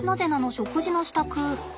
食事の支度。